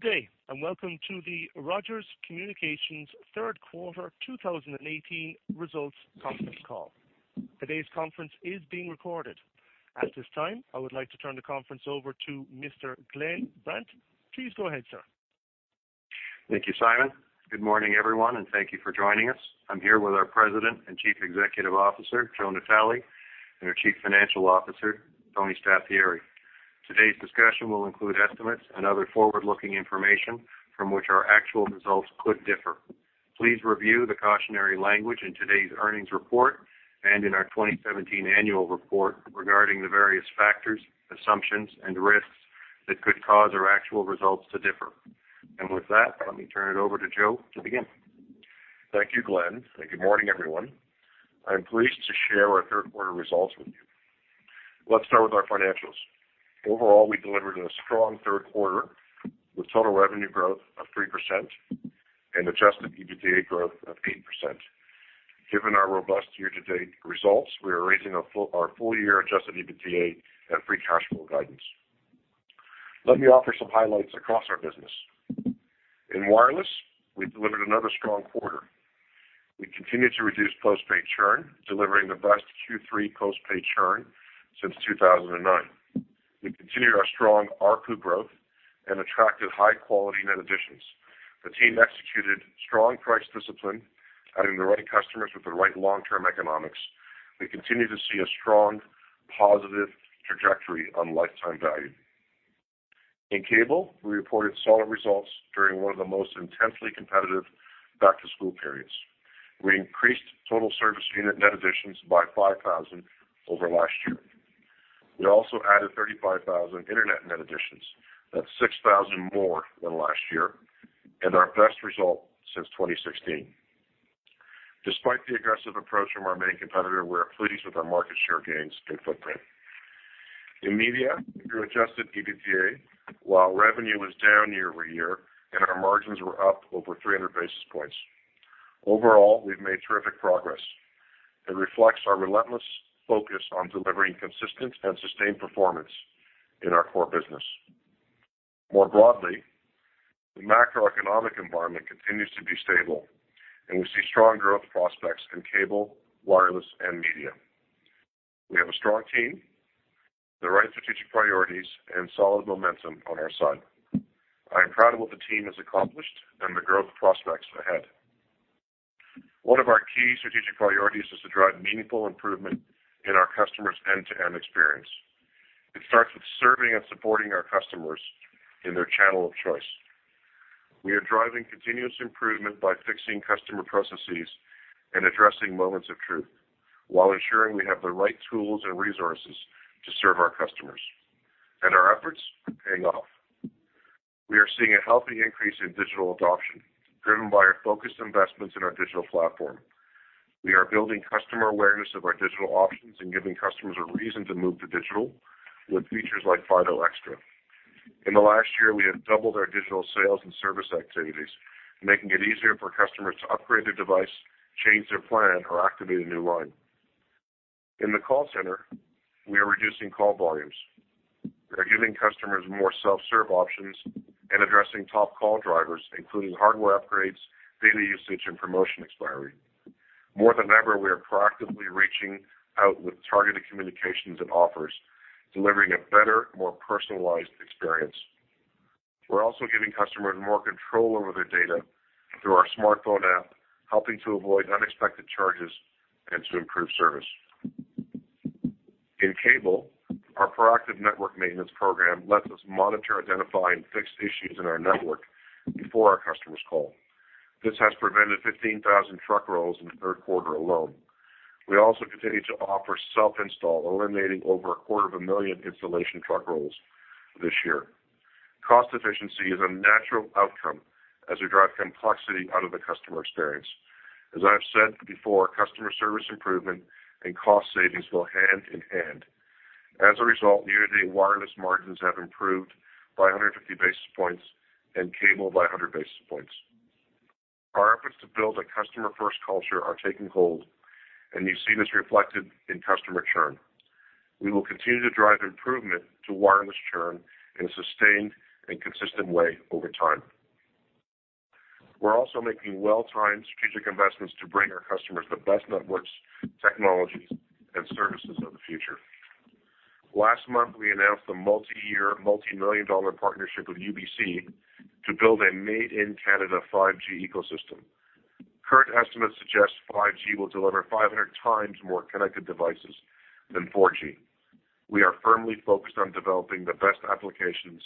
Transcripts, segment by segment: Good day, and welcome to the Rogers Communications Q3 2018 Results Conference Call. Today's conference is being recorded. At this time, I would like to turn the conference over to Mr. Glenn Brandt. Please go ahead, sir. Thank you, Simon. Good morning, everyone, and thank you for joining us. I'm here with our President and Chief Executive Officer, Joe Natale, and our Chief Financial Officer, Tony Staffieri. Today's discussion will include estimates and other forward-looking information from which our actual results could differ. Please review the cautionary language in today's earnings report and in our 2017 annual report regarding the various factors, assumptions, and risks that could cause our actual results to differ. And with that, let me turn it over to Joe to begin. Thank you, Glenn, and good morning, everyone. I'm pleased to share our Q3 results with you. Let's start with our financials. Overall, we delivered a strong Q3 with total revenue growth of 3% and Adjusted EBITDA growth of 8%. Given our robust year-to-date results, we are raising our full-year Adjusted EBITDA and free cash flow guidance. Let me offer some highlights across our business. In wireless, we delivered another strong quarter. We continued to reduce postpaid churn, delivering the best Q3 postpaid churn since 2009. We continued our strong ARPU growth and attracted high-quality net additions. The team executed strong price discipline, adding the right customers with the right long-term economics. We continue to see a strong, positive trajectory on lifetime value. In cable, we reported solid results during one of the most intensely competitive back-to-school periods. We increased total service unit net additions by 5,000 over last year. We also added 35,000 internet net additions. That's 6,000 more than last year and our best result since 2016. Despite the aggressive approach from our main competitor, we are pleased with our market share gains and footprint. In media, Adjusted EBITDA while revenue was down year-over-year, and our margins were up over 300 basis points. Overall, we've made terrific progress. It reflects our relentless focus on delivering consistent and sustained performance in our core business. More broadly, the macroeconomic environment continues to be stable, and we see strong growth prospects in cable, wireless, and media. We have a strong team, the right strategic priorities, and solid momentum on our side. I am proud of what the team has accomplished and the growth prospects ahead. One of our key strategic priorities is to drive meaningful improvement in our customers' end-to-end experience. It starts with serving and supporting our customers in their channel of choice. We are driving continuous improvement by fixing customer processes and addressing moments of truth while ensuring we have the right tools and resources to serve our customers. And our efforts are paying off. We are seeing a healthy increase in digital adoption driven by our focused investments in our digital platform. We are building customer awareness of our digital options and giving customers a reason to move to digital with features like Fido XTRA. In the last year, we have doubled our digital sales and service activities, making it easier for customers to upgrade their device, change their plan, or activate a new line. In the call center, we are reducing call volumes. We are giving customers more self-serve options and addressing top call drivers, including hardware upgrades, data usage, and promotion expiry. More than ever, we are proactively reaching out with targeted communications and offers, delivering a better, more personalized experience. We're also giving customers more control over their data through our smartphone app, helping to avoid unexpected charges and to improve service. In cable, our proactive network maintenance program lets us monitor, identify, and fix issues in our network before our customers call. This has prevented 15,000 truck rolls in the Q3 alone. We also continue to offer self-install, eliminating over 250,000 installation truck rolls this year. Cost efficiency is a natural outcome as we drive complexity out of the customer experience. As I've said before, customer service improvement and cost savings go hand in hand. As a result, year-to-date wireless margins have improved by 150 basis points and cable by 100 basis points. Our efforts to build a customer-first culture are taking hold, and you see this reflected in customer churn. We will continue to drive improvement to wireless churn in a sustained and consistent way over time. We're also making well-timed strategic investments to bring our customers the best networks, technologies, and services of the future. Last month, we announced a multi-year, multi-million-dollar partnership with UBC to build a made-in-Canada 5G ecosystem. Current estimates suggest 5G will deliver 500 times more connected devices than 4G. We are firmly focused on developing the best applications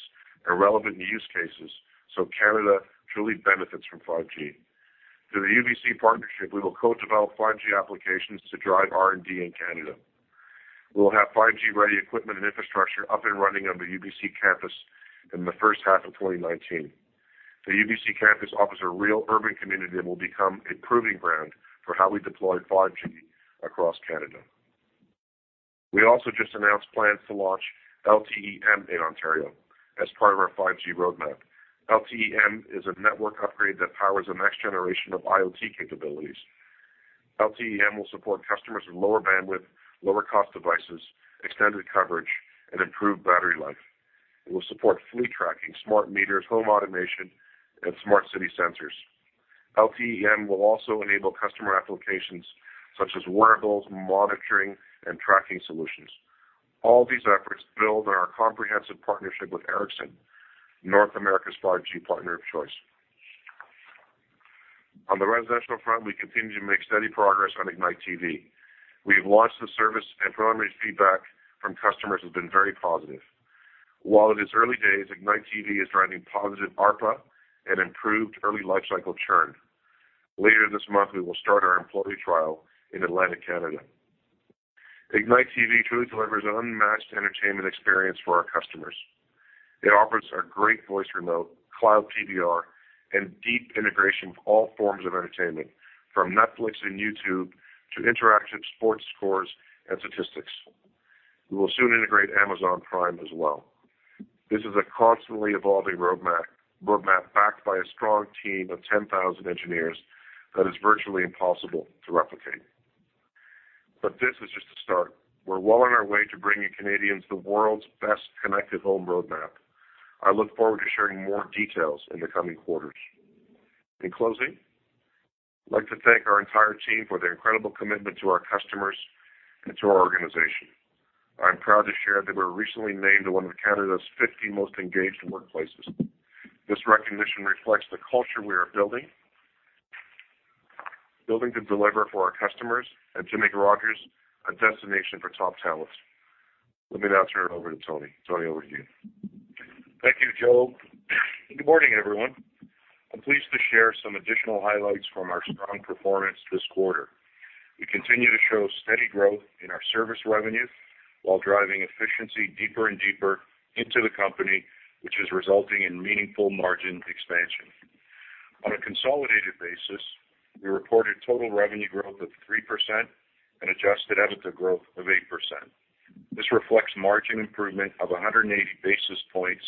and relevant use cases so Canada truly benefits from 5G. Through the UBC partnership, we will co-develop 5G applications to drive R&D in Canada. We will have 5G-ready equipment and infrastructure up and running on the UBC campus in the first half of 2019. The UBC campus offers a real urban community and will become a proving ground for how we deploy 5G across Canada. We also just announced plans to launch LTE-M in Ontario as part of our 5G roadmap. LTE-M is a network upgrade that powers the next generation of IoT capabilities. LTE-M will support customers with lower bandwidth, lower-cost devices, extended coverage, and improved battery life. It will support fleet tracking, smart meters, home automation, and smart city sensors. LTE-M will also enable customer applications such as wearables, monitoring, and tracking solutions. All these efforts build on our comprehensive partnership with Ericsson, North America's 5G partner of choice. On the residential front, we continue to make steady progress on Ignite TV. We have launched the service, and preliminary feedback from customers has been very positive. While it is early days, Ignite TV is driving positive ARPA and improved early life cycle churn. Later this month, we will start our employee trial in Atlantic Canada. Ignite TV truly delivers an unmatched entertainment experience for our customers. It offers a great voice remote, Cloud PVR, and deep integration with all forms of entertainment, from Netflix and YouTube to interactive sports scores and statistics. We will soon integrate Amazon Prime as well. This is a constantly evolving roadmap backed by a strong team of 10,000 engineers that is virtually impossible to replicate. But this is just the start. We're well on our way to bringing Canadians the world's best connected home roadmap. I look forward to sharing more details in the coming quarters. In closing, I'd like to thank our entire team for their incredible commitment to our customers and to our organization. I'm proud to share that we were recently named one of Canada's 50 most engaged workplaces. This recognition reflects the culture we are building, building to deliver for our customers and to make Rogers a destination for top talents. Let me now turn it over to Tony. Tony, over to you. Thank you, Joe. Good morning, everyone. I'm pleased to share some additional highlights from our strong performance this quarter. We continue to show steady growth in our service revenue while driving efficiency deeper and deeper into the company, which is resulting in meaningful margin expansion. On a consolidated basis, we reported total revenue growth of 3% and adjusted EBITDA growth of 8%. This reflects margin improvement of 180 basis points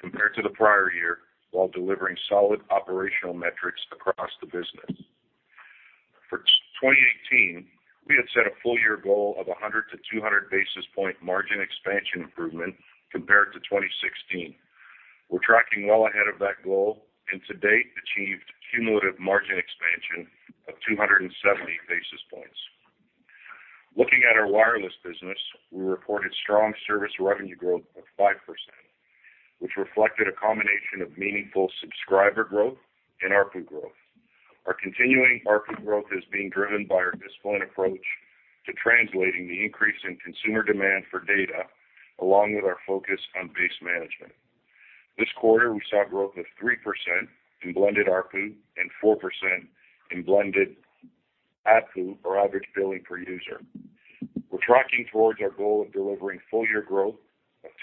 compared to the prior year while delivering solid operational metrics across the business. For 2018, we had set a full-year goal of 100-200 basis point margin expansion improvement compared to 2016. We're tracking well ahead of that goal and to date achieved cumulative margin expansion of 270 basis points. Looking at our wireless business, we reported strong service revenue growth of 5%, which reflected a combination of meaningful subscriber growth and ARPU growth. Our continuing ARPU growth is being driven by our disciplined approach to translating the increase in consumer demand for data along with our focus on base management. This quarter, we saw growth of 3% in blended ARPU and 4% in blended ABPU, or average billing per user. We're tracking towards our goal of delivering full-year growth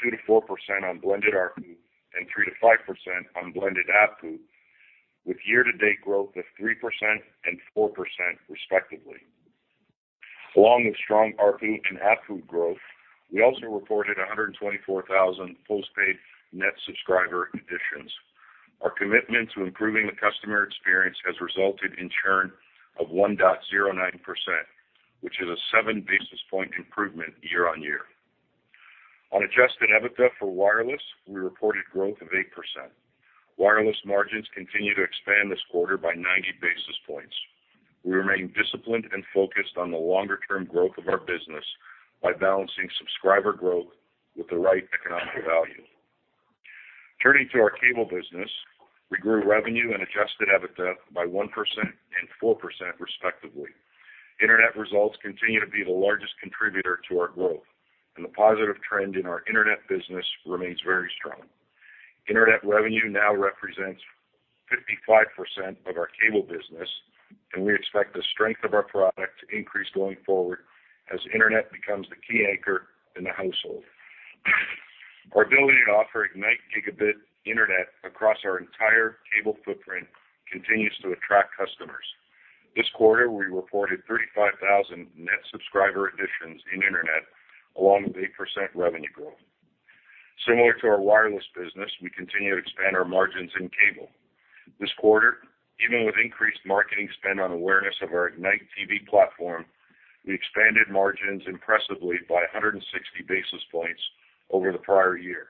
of 2%-4% on blended ARPU and 3%-5% on blended ABPU, with year-to-date growth of 3% and 4% respectively. Along with strong ARPU and ABPU growth, we also reported 124,000 postpaid net subscriber additions. Our commitment to improving the customer experience has resulted in churn of 1.09%, which is a 7 basis point improvement year-on-year. On adjusted EBITDA for wireless, we reported growth of 8%. Wireless margins continue to expand this quarter by 90 basis points. We remain disciplined and focused on the longer-term growth of our business by balancing subscriber growth with the right economic value. Turning to our cable business, we grew revenue and Adjusted EBITDA by 1% and 4% respectively. Internet results continue to be the largest contributor to our growth, and the positive trend in our internet business remains very strong. Internet revenue now represents 55% of our cable business, and we expect the strength of our product to increase going forward as internet becomes the key anchor in the household. Our ability to offer Ignite Gigabit Internet across our entire cable footprint continues to attract customers. This quarter, we reported 35,000 net subscriber additions in internet along with 8% revenue growth. Similar to our wireless business, we continue to expand our margins in cable. This quarter, even with increased marketing spend on awareness of our Ignite TV platform, we expanded margins impressively by 160 basis points over the prior year.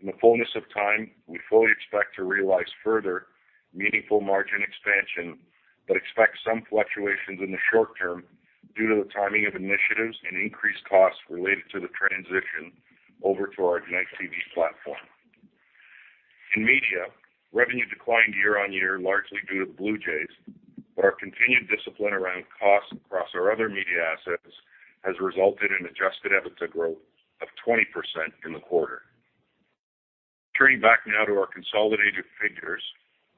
In the fullness of time, we fully expect to realize further meaningful margin expansion, but expect some fluctuations in the short term due to the timing of initiatives and increased costs related to the transition over to our Ignite TV platform. In media, revenue declined year-on-year largely due to the Blue Jays, but our continued discipline around costs across our other media assets has resulted in adjusted EBITDA growth of 20% in the quarter. Turning back now to our consolidated figures,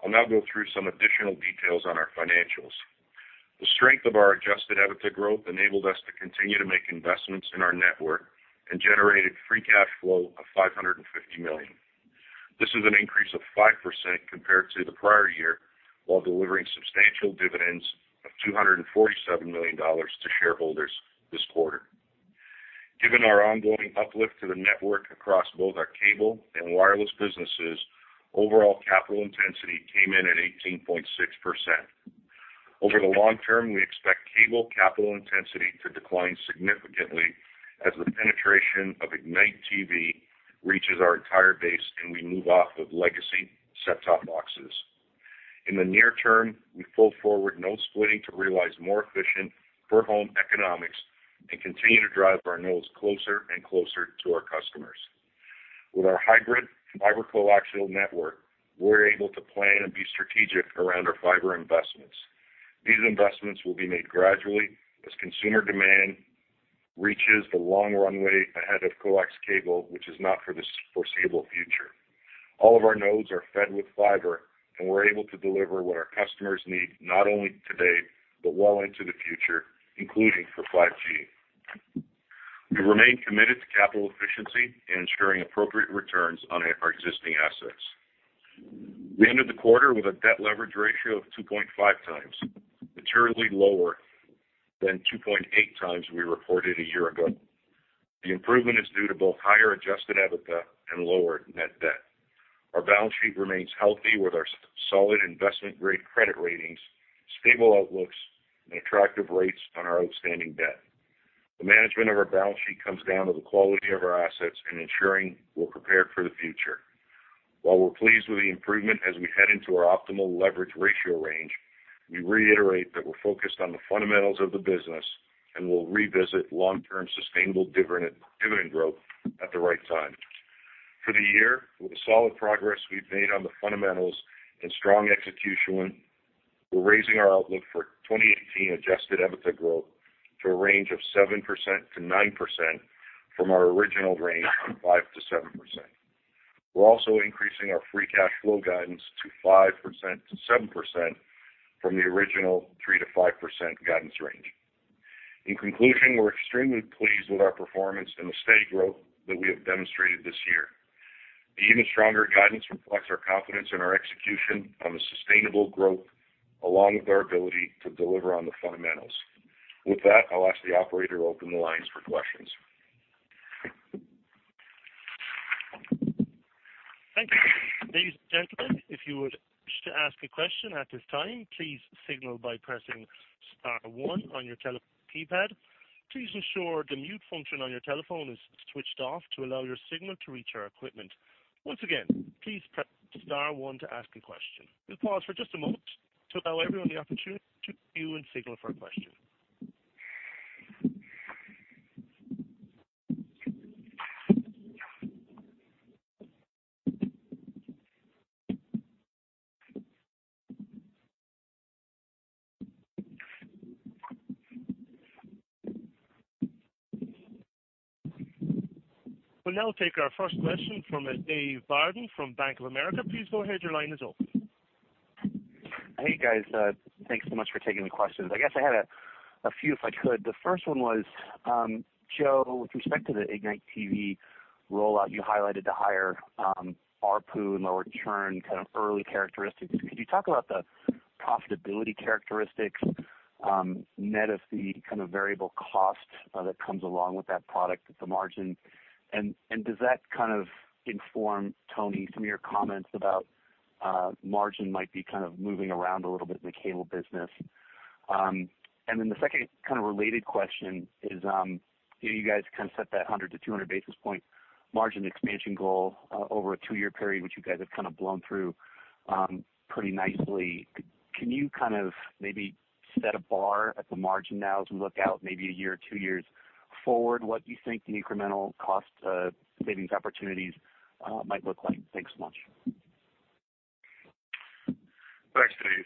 I'll now go through some additional details on our financials. The strength of our adjusted EBITDA growth enabled us to continue to make investments in our network and generated free cash flow of $550 million. This is an increase of 5% compared to the prior year while delivering substantial dividends of $247 million to shareholders this quarter. Given our ongoing uplift to the network across both our cable and wireless businesses, overall capital intensity came in at 18.6%. Over the long term, we expect cable capital intensity to decline significantly as the penetration of Ignite TV reaches our entire base and we move off of legacy set-top boxes. In the near term, we pull forward node splitting to realize more efficient per-home economics and continue to drive our nodes closer and closer to our customers. With our hybrid fiber coaxial network, we're able to plan and be strategic around our fiber investments. These investments will be made gradually as consumer demand reaches the long runway ahead of coax cable, which is not for the foreseeable future. All of our nodes are fed with fiber, and we're able to deliver what our customers need not only today but well into the future, including for 5G. We remain committed to capital efficiency and ensuring appropriate returns on our existing assets. We ended the quarter with a debt leverage ratio of 2.5x, materially lower than 2.8x we reported a year ago. The improvement is due to both higher Adjusted EBITDA and lower net debt. Our balance sheet remains healthy with our solid investment-grade credit ratings, stable outlooks, and attractive rates on our outstanding debt. The management of our balance sheet comes down to the quality of our assets and ensuring we're prepared for the future. While we're pleased with the improvement as we head into our optimal leverage ratio range, we reiterate that we're focused on the fundamentals of the business and will revisit long-term sustainable dividend growth at the right time. For the year, with the solid progress we've made on the fundamentals and strong execution, we're raising our outlook for 2018 Adjusted EBITDA growth to a range of 7%-9% from our original range of 5%-7%. We're also increasing our free cash flow guidance to 5%-7% from the original 3%-5% guidance range. In conclusion, we're extremely pleased with our performance and the steady growth that we have demonstrated this year. The even stronger guidance reflects our confidence in our execution on the sustainable growth along with our ability to deliver on the fundamentals. With that, I'll ask the operator to open the lines for questions. Thank you. Ladies and gentlemen, if you would like to ask a question at this time, please signal by pressing star one on your telephone keypad. Please ensure the mute function on your telephone is switched off to allow your signal to reach our equipment. Once again, please press star one to ask a question. We'll pause for just a moment to allow everyone the opportunity to mute and signal for a question. We'll now take our first question from David Barden from Bank of America. Please go ahead. Your line is open. Hey, guys. Thanks so much for taking the questions. I guess I had a few if I could. The first one was, Joe, with respect to the Ignite TV rollout, you highlighted the higher ARPU and lower churn kind of early characteristics. Could you talk about the profitability characteristics, net of the kind of variable cost that comes along with that product, the margin? And does that kind of inform, Tony, some of your comments about margin might be kind of moving around a little bit in the cable business? And then the second kind of related question is, you guys kind of set that 100-200 basis point margin expansion goal over a two-year period, which you guys have kind of blown through pretty nicely. Can you kind of maybe set a bar at the margin now as we look out maybe a year or two years forward? What do you think the incremental cost savings opportunities might look like? Thanks so much. Thanks, Dave.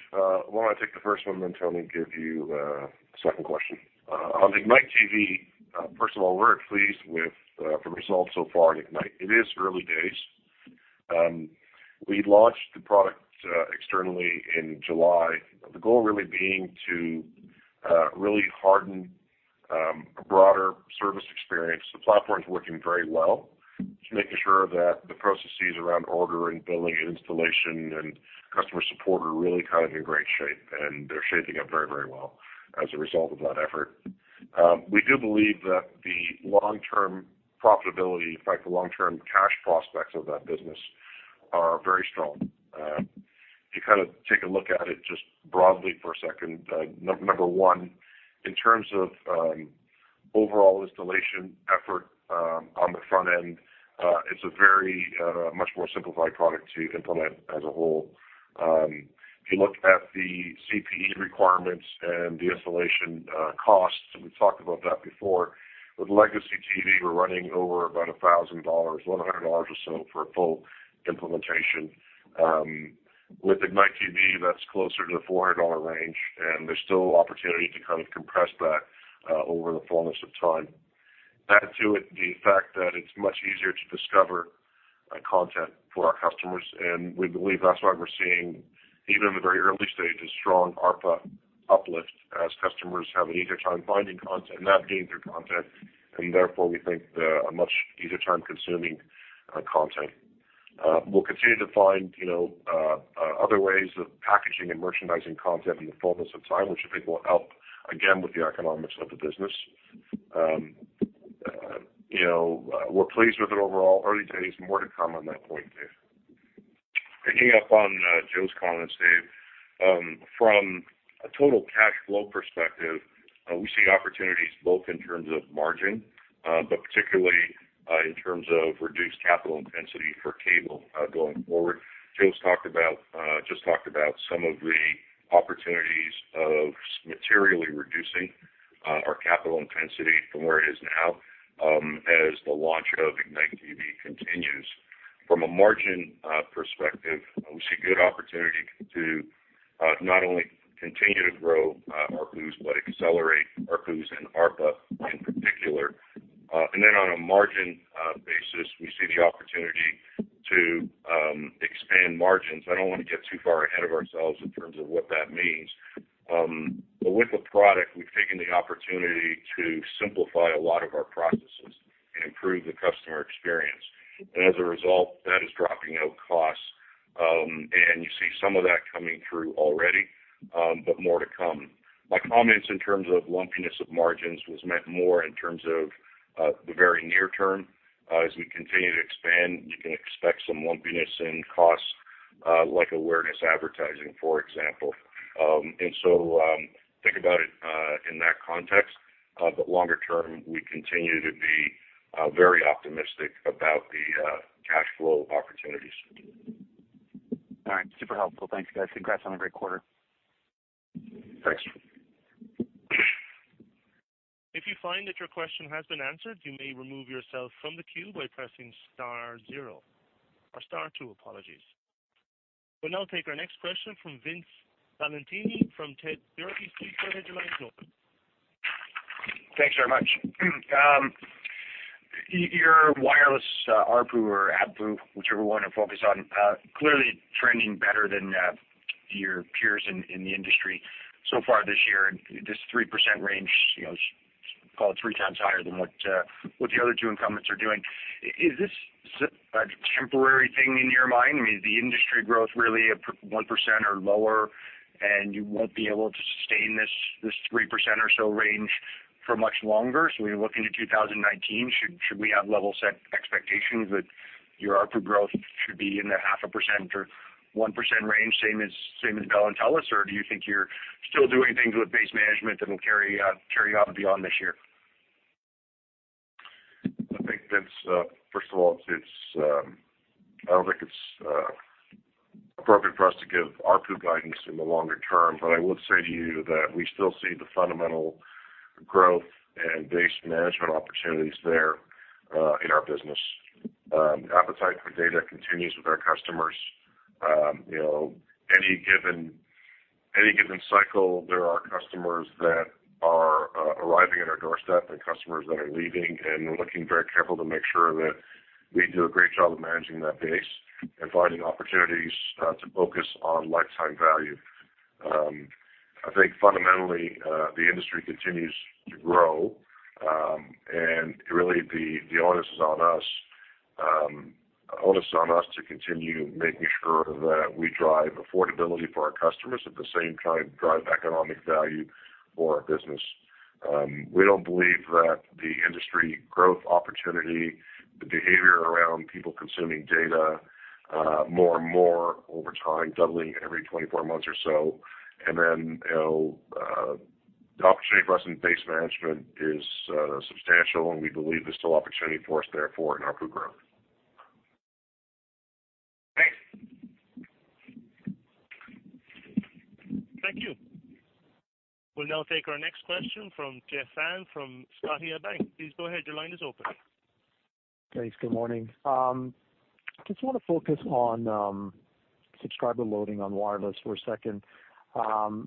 Why don't I take the first one, then Tony give you a second question? On Ignite TV, first of all, we're pleased with the results so far on Ignite. It is early days. We launched the product externally in July, the goal really being to really harden a broader service experience. The platform is working very well. Just making sure that the processes around order and billing and installation and customer support are really kind of in great shape, and they're shaping up very, very well as a result of that effort. We do believe that the long-term profitability, in fact, the long-term cash prospects of that business are very strong. If you kind of take a look at it just broadly for a second, number one, in terms of overall installation effort on the front end, it's a very much more simplified product to implement as a whole. If you look at the CPE requirements and the installation costs, and we've talked about that before, with legacy TV, we're running over about $1,000, $1,100 or so for a full implementation. With Ignite TV, that's closer to the $400 range, and there's still opportunity to kind of compress that over the fullness of time. Add to it the fact that it's much easier to discover content for our customers, and we believe that's why we're seeing, even in the very early stages, strong ARPA uplift as customers have an easier time finding content and navigating through content, and therefore we think a much easier time consuming content. We'll continue to find other ways of packaging and merchandising content in the fullness of time, which I think will help again with the economics of the business. We're pleased with it overall. Early days, more to come on that point, Dave. Picking up on Joe's comments, Dave, from a total cash flow perspective, we see opportunities both in terms of margin, but particularly in terms of reduced capital intensity for cable going forward. Joe just talked about some of the opportunities of materially reducing our capital intensity from where it is now as the launch of Ignite TV continues. From a margin perspective, we see good opportunity to not only continue to grow ARPUs but accelerate ARPUs and ARPA in particular, and then on a margin basis, we see the opportunity to expand margins. I don't want to get too far ahead of ourselves in terms of what that means, but with the product, we've taken the opportunity to simplify a lot of our processes and improve the customer experience. And as a result, that is dropping out costs, and you see some of that coming through already, but more to come. My comments in terms of lumpiness of margins was meant more in terms of the very near term. As we continue to expand, you can expect some lumpiness in costs like awareness advertising, for example. And so think about it in that context, but longer term, we continue to be very optimistic about the cash flow opportunities. All right. Super helpful. Thanks, guys. Congrats on a great quarter. Thanks. If you find that your question has been answered, you may remove yourself from the queue by pressing star zero or star two, apologies. We'll now take our next question from Vince Valentini from TD Securities. Thanks very much. Your wireless ARPU or ARPA, whichever one you're focused on, clearly trending better than your peers in the industry so far this year. This 3% range, call it three times higher than what the other two incumbents are doing. Is this a temporary thing in your mind? I mean, is the industry growth really 1% or lower, and you won't be able to sustain this 3% or so range for much longer? So we're looking to 2019. Should we have level-set expectations that your ARPU growth should be in the 0.5% or 1% range, same as Bell and Telus, or do you think you're still doing things with base management that'll carry on beyond this year? I think that's, first of all, I don't think it's appropriate for us to give ARPU guidance in the longer term, but I would say to you that we still see the fundamental growth and base management opportunities there in our business. Appetite for data continues with our customers. Any given cycle, there are customers that are arriving at our doorstep and customers that are leaving, and we're looking very careful to make sure that we do a great job of managing that base and finding opportunities to focus on lifetime value. I think fundamentally, the industry continues to grow, and really the onus is on us to continue making sure that we drive affordability for our customers at the same time drive economic value for our business. We don't believe that the industry growth opportunity, the behavior around people consuming data more and more over time, doubling every 24 months or so, and then the opportunity for us in base management is substantial, and we believe there's still opportunity for us therefore in ARPU growth. Thanks. Thank you. We'll now take our next question from Jeff Fan from Scotiabank. Please go ahead. Your line is open. Thanks. Good morning. I just want to focus on subscriber loading on wireless for a second,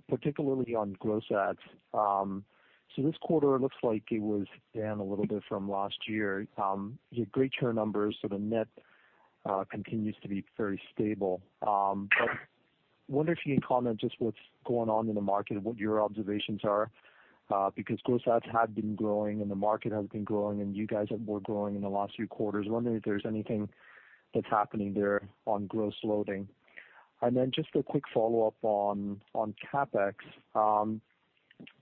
particularly on gross adds. So this quarter, it looks like it was down a little bit from last year. It's a great churn number, so the net continues to be very stable. But I wonder if you can comment just what's going on in the market, what your observations are, because gross adds have been growing and the market has been growing, and you guys were growing in the last few quarters. I wonder if there's anything that's happening there on gross adds. And then just a quick follow-up on CapEx. On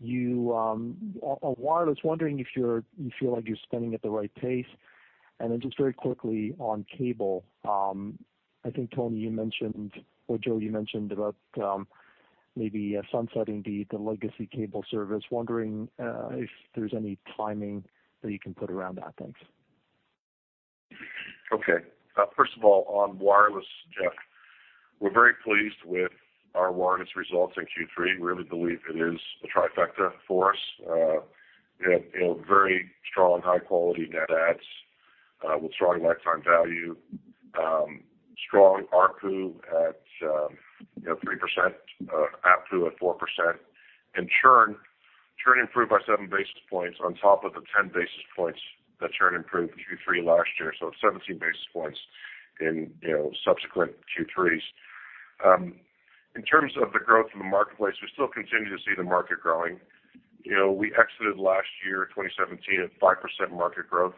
wireless, wondering if you feel like you're spending at the right pace. And then just very quickly on cable, I think, Tony, you mentioned, or Joe, you mentioned about maybe sunsetting the legacy cable service. Wondering if there's any timing that you can put around that. Thanks. Okay. First of all, on wireless, Jeff, we're very pleased with our wireless results in Q3. We really believe it is a trifecta for us. We have very strong, high-quality net adds with strong lifetime value, strong ARPU at 3%, ABPU at 4%, and churn improved by 7 basis points on top of the 10 basis points that churn improved Q3 last year. So it's 17 basis points in subsequent Q3s. In terms of the growth in the marketplace, we still continue to see the market growing. We exited last year, 2017, at 5% market growth.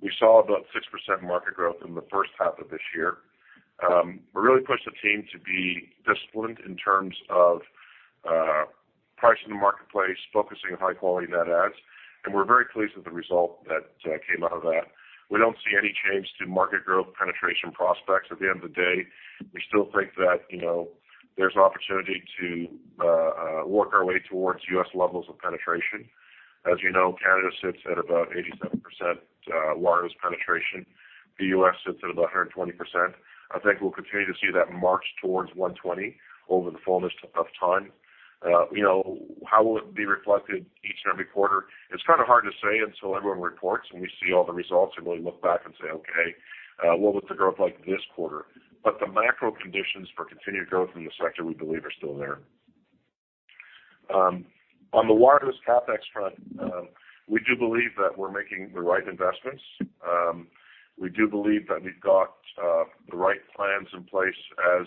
We saw about 6% market growth in the first half of this year. We really pushed the team to be disciplined in terms of pricing the marketplace, focusing on high-quality net adds, and we're very pleased with the result that came out of that. We don't see any change to market growth penetration prospects. At the end of the day, we still think that there's opportunity to work our way towards U.S. levels of penetration. As you know, Canada sits at about 87% wireless penetration. The U.S. sits at about 120%. I think we'll continue to see that march towards 120 over the fullness of time. How will it be reflected each and every quarter? It's kind of hard to say until everyone reports and we see all the results and really look back and say, "Okay, what was the growth like this quarter?" But the macro conditions for continued growth in the sector, we believe, are still there. On the wireless CapEx front, we do believe that we're making the right investments. We do believe that we've got the right plans in place. As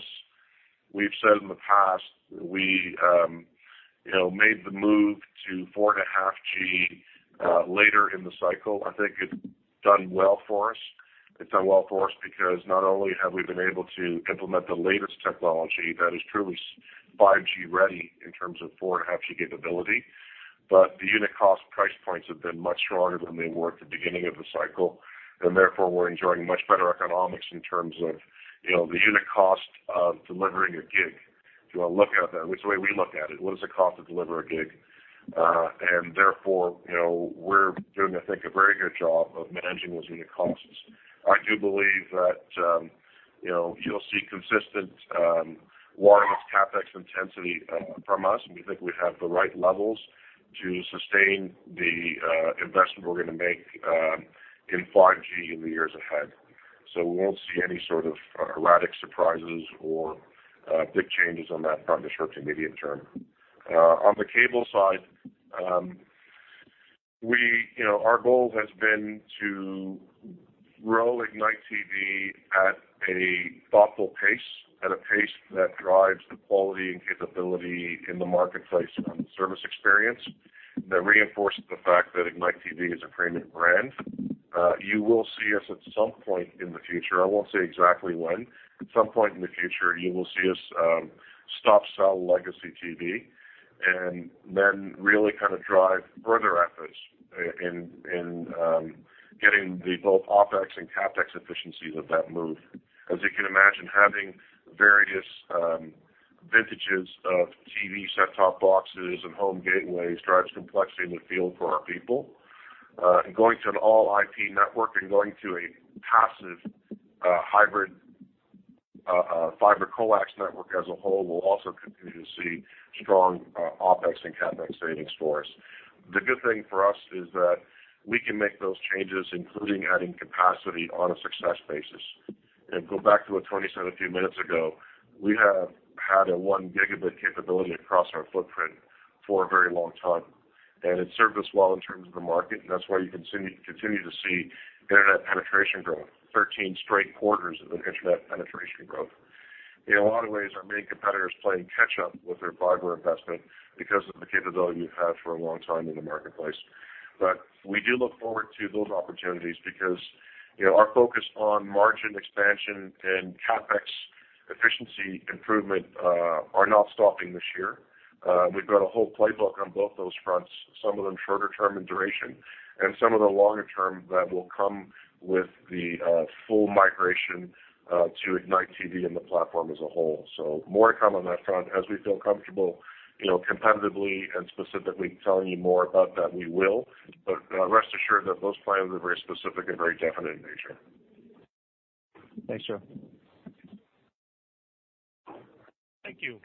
we've said in the past, we made the move to 4.5G later in the cycle. I think it's done well for us. It's done well for us because not only have we been able to implement the latest technology that is truly 5G ready in terms of 4.5G capability, but the unit cost price points have been much stronger than they were at the beginning of the cycle. And therefore, we're enjoying much better economics in terms of the unit cost of delivering a gig. If you want to look at that, which way we look at it, what is the cost to deliver a gig? And therefore, we're doing, I think, a very good job of managing those unit costs. I do believe that you'll see consistent wireless CapEx intensity from us, and we think we have the right levels to sustain the investment we're going to make in 5G in the years ahead. So we won't see any sort of erratic surprises or big changes on that front in the short to medium term. On the cable side, our goal has been to grow Ignite TV at a thoughtful pace, at a pace that drives the quality and capability in the marketplace on service experience that reinforces the fact that Ignite TV is a premium brand. You will see us at some point in the future. I won't say exactly when. At some point in the future, you will see us stop selling legacy TV and then really kind of drive further efforts in getting the both OpEX and CapEx efficiencies of that move. As you can imagine, having various vintages of TV set-top boxes and home gateways drives complexity in the field for our people. Going to an all-IP network and going to a passive hybrid fiber coax network as a whole will also continue to see strong OpEx and CapEx savings for us. The good thing for us is that we can make those changes, including adding capacity on a success basis. Go back to what Tony said a few minutes ago. We have had a one gigabit capability across our footprint for a very long time, and it's served us well in terms of the market, and that's why you continue to see internet penetration growth, 13 straight quarters of internet penetration growth. In a lot of ways, our main competitor is playing catch-up with their fiber investment because of the capability we've had for a long time in the marketplace. But we do look forward to those opportunities because our focus on margin expansion and CapEx efficiency improvement are not stopping this year. We've got a whole playbook on both those fronts, some of them shorter-term in duration and some of the longer-term that will come with the full migration to Ignite TV and the platform as a whole. So more to come on that front. As we feel comfortable competitively and specifically telling you more about that, we will, but rest assured that those plans are very specific and very definite in nature. Thanks, Joe. Thank you.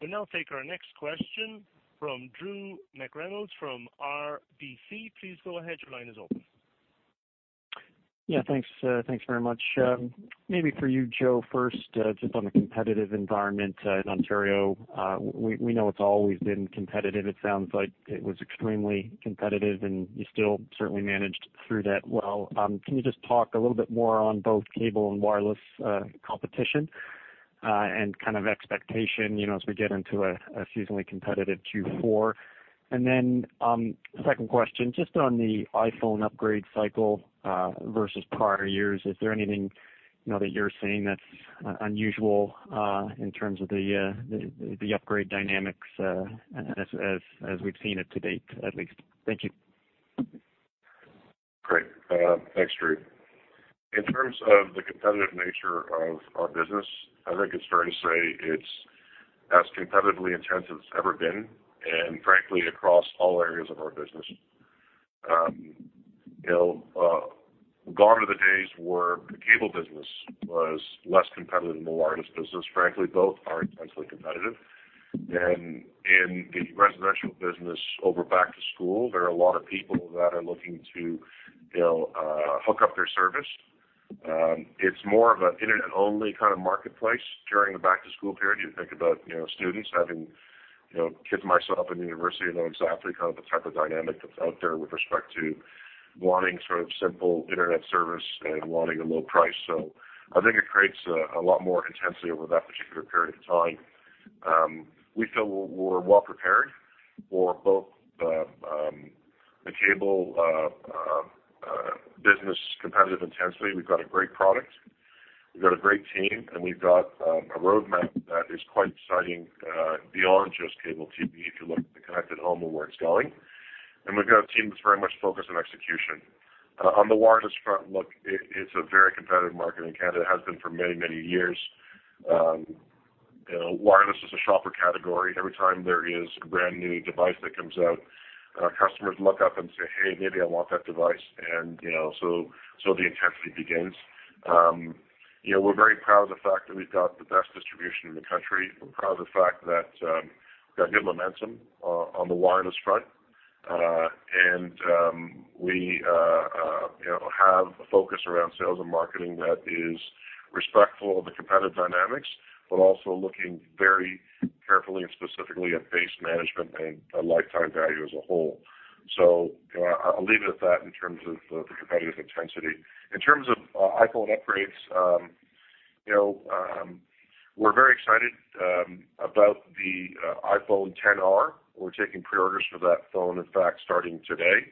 We'll now take our next question from Drew McReynolds from RBC. Please go ahead. Your line is open. Yeah. Thanks very much. Maybe for you, Joe, first, just on the competitive environment in Ontario. We know it's always been competitive. It sounds like it was extremely competitive, and you still certainly managed through that well. Can you just talk a little bit more on both cable and wireless competition and kind of expectation as we get into a seasonally competitive Q4? And then second question, just on the iPhone upgrade cycle versus prior years, is there anything that you're seeing that's unusual in terms of the upgrade dynamics as we've seen it to date, at least? Thank you. Great. Thanks, Drew. In terms of the competitive nature of our business, I think it's fair to say it's as competitively intense as it's ever been, and frankly, across all areas of our business. Gone are the days where the cable business was less competitive than the wireless business. Frankly, both are intensely competitive. And in the residential business over back to school, there are a lot of people that are looking to hook up their service. It's more of an internet-only kind of marketplace during the back-to-school period. You think about students, having kids myself in university. I know exactly kind of the type of dynamic that's out there with respect to wanting sort of simple internet service and wanting a low price. So I think it creates a lot more intensity over that particular period of time. We feel we're well prepared for both the cable business competitive intensity. We've got a great product. We've got a great team, and we've got a roadmap that is quite exciting beyond just cable TV if you look at the connected home of where it's going. And we've got a team that's very much focused on execution. On the wireless front, look, it's a very competitive market in Canada. It has been for many, many years. Wireless is a shopper category. Every time there is a brand new device that comes out, customers look up and say, "Hey, maybe I want that device," and so the intensity begins. We're very proud of the fact that we've got the best distribution in the country. We're proud of the fact that we've got good momentum on the wireless front, and we have a focus around sales and marketing that is respectful of the competitive dynamics, but also looking very carefully and specifically at base management and lifetime value as a whole. So I'll leave it at that in terms of the competitive intensity. In terms of iPhone upgrades, we're very excited about the iPhone XR. We're taking preorders for that phone, in fact, starting today.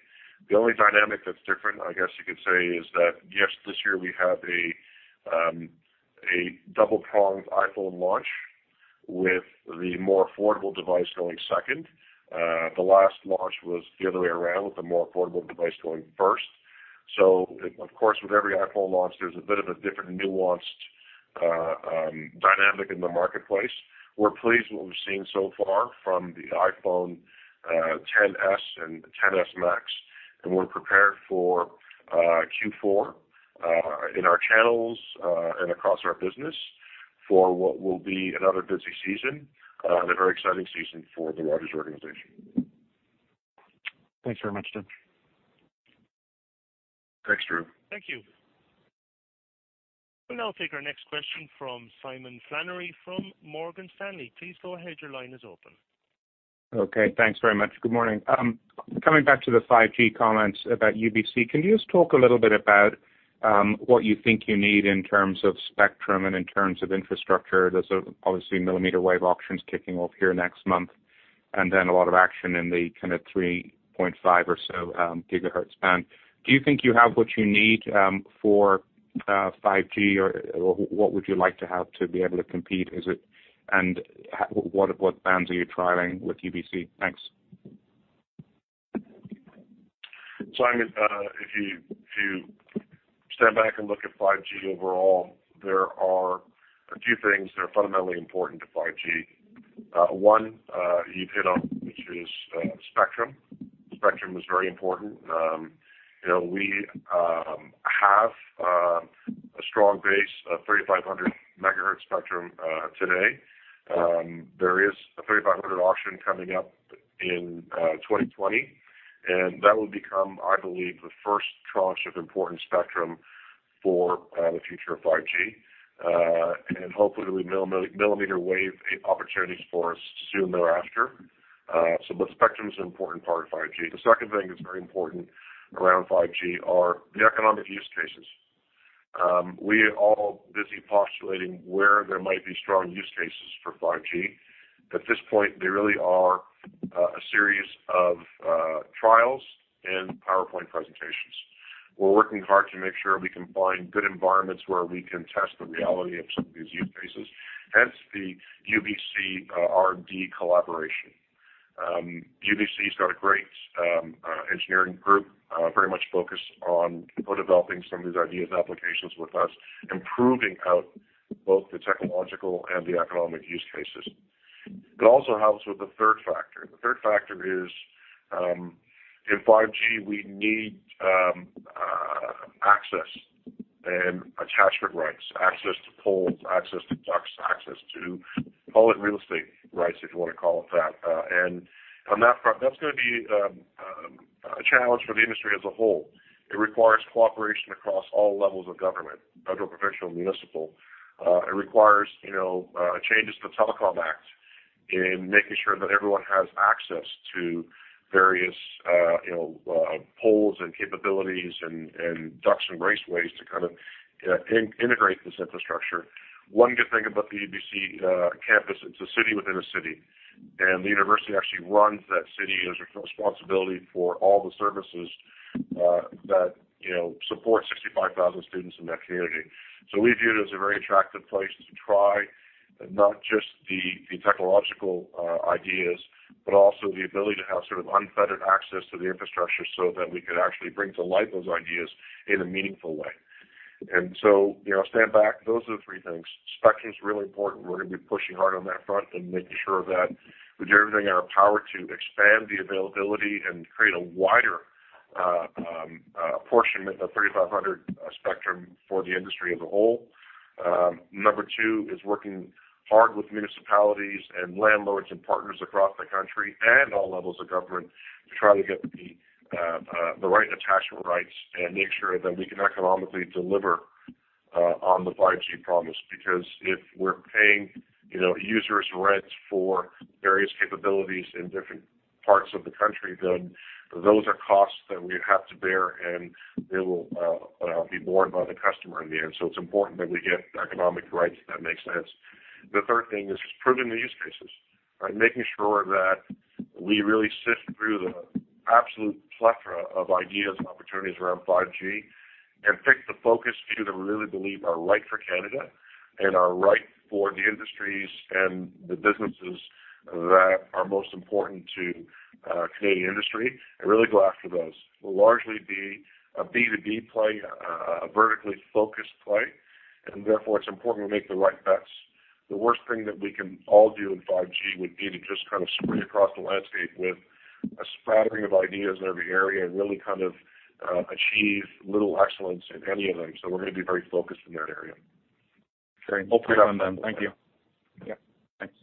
The only dynamic that's different, I guess you could say, is that yes, this year we have a double-pronged iPhone launch with the more affordable device going second. The last launch was the other way around with the more affordable device going first. So of course, with every iPhone launch, there's a bit of a different nuanced dynamic in the marketplace. We're pleased with what we've seen so far from the iPhone XS and XS Max, and we're prepared for Q4 in our channels and across our business for what will be another busy season and a very exciting season for the Rogers organization. Thanks very much, Joe. Thanks, Drew. Thank you. We'll now take our next question from Simon Flannery from Morgan Stanley. Please go ahead. Your line is open. Okay. Thanks very much. Good morning. Coming back to the 5G comments about UBC, can you just talk a little bit about what you think you need in terms of spectrum and in terms of infrastructure? There's obviously millimeter wave auctions kicking off here next month, and then a lot of action in the kind of 3.5 or so gigahertz band. Do you think you have what you need for 5G, or what would you like to have to be able to compete? And what bands are you trialing with UBC? Thanks. Simon, if you stand back and look at 5G overall, there are a few things that are fundamentally important to 5G. One, you've hit on, which is spectrum. Spectrum is very important. We have a strong base of 3,500 MHz spectrum today. There is a 3,500 auction coming up in 2020, and that will become, I believe, the first tranche of important spectrum for the future of 5G. And hopefully, there'll be millimeter wave opportunities for us soon thereafter. So spectrum is an important part of 5G. The second thing that's very important around 5G are the economic use cases. We are all busy postulating where there might be strong use cases for 5G. At this point, they really are a series of trials and PowerPoint presentations. We're working hard to make sure we can find good environments where we can test the reality of some of these use cases, hence the UBC-R&D collaboration. UBC's got a great engineering group, very much focused on co-developing some of these ideas and applications with us, improving both the technological and the economic use cases. It also helps with the third factor. The third factor is in 5G, we need access and attachment rights, access to poles, access to ducts, access to public real estate rights, if you want to call it that. And on that front, that's going to be a challenge for the industry as a whole. It requires cooperation across all levels of government, federal, provincial, and municipal. It requires changes to the Telecom Act in making sure that everyone has access to various poles and capabilities and ducts and raceways to kind of integrate this infrastructure. One good thing about the UBC campus, it's a city within a city, and the university actually runs that city as a responsibility for all the services that support 65,000 students in that community. So we view it as a very attractive place to try not just the technological ideas, but also the ability to have sort of unfettered access to the infrastructure so that we could actually bring to light those ideas in a meaningful way. And so stand back. Those are the three things. Spectrum's really important. We're going to be pushing hard on that front and making sure that we do everything in our power to expand the availability and create a wider portion of 3,500 spectrum for the industry as a whole. Number two is working hard with municipalities and landlords and partners across the country and all levels of government to try to get the right attachment rights and make sure that we can economically deliver on the 5G promise. Because if we're paying users rent for various capabilities in different parts of the country, then those are costs that we have to bear, and they will be borne by the customer in the end. So it's important that we get economic rights that make sense. The third thing is proving the use cases, making sure that we really sift through the absolute plethora of ideas and opportunities around 5G and pick the focus few that we really believe are right for Canada and are right for the industries and the businesses that are most important to Canadian industry and really go after those. It'll largely be a B2B play, a vertically focused play, and therefore it's important we make the right bets. The worst thing that we can all do in 5G would be to just kind of scream across the landscape with a spattering of ideas in every area and really kind of achieve little excellence in any of them. So we're going to be very focused in that area. Great. Hopefully on them. Thank you. Yeah. Thanks.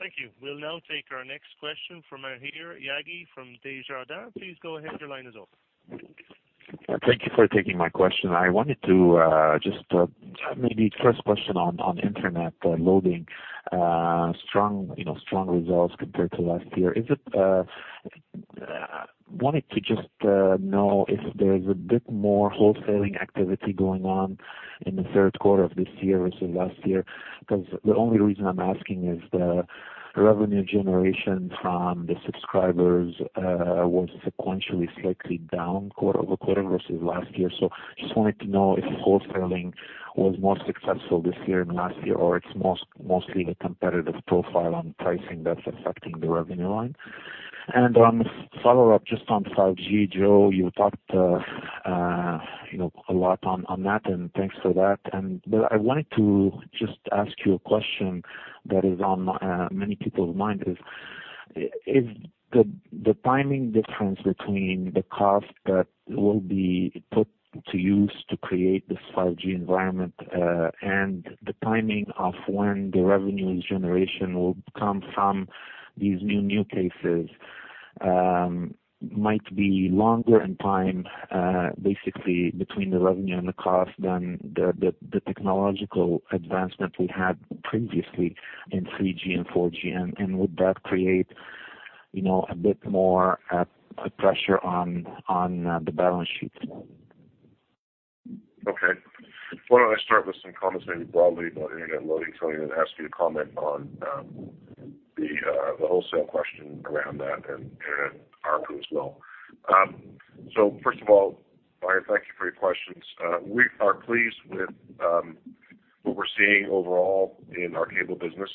Thank you. We'll now take our next question from Maher Yaghi from Desjardins. Please go ahead. Your line is open. Thank you for taking my question. I wanted to just maybe first question on internet loading, strong results compared to last year. I wanted to just know if there's a bit more wholesaling activity going on in the Q3 of this year versus last year because the only reason I'm asking is the revenue generation from the subscribers was sequentially slightly down quarter over quarter versus last year, so just wanted to know if wholesaling was more successful this year than last year or it's mostly the competitive profile on pricing that's affecting the revenue line, and on follow-up just on 5G, Joe, you talked a lot on that, and thanks for that. But I wanted to just ask you a question that is on many people's minds: is the timing difference between the cost that will be put to use to create this 5G environment and the timing of when the revenue generation will come from these new use cases might be longer in time, basically between the revenue and the cost, than the technological advancement we had previously in 3G and 4G? And would that create a bit more pressure on the balance sheet? Okay. Why don't I start with some comments maybe broadly about internet loading? Somebody had asked me to comment on the wholesale question around that, and I'll elaborate as well. First of all, Maher, thank you for your questions. We are pleased with what we're seeing overall in our cable business.